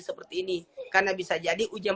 seperti ini karena bisa jadi ujian